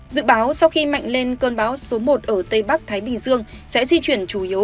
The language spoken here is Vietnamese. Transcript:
dự báo sau khi mạnh lên cơn bão số một ở tây bắc thái bình dương sẽ di chuyển chủ yếu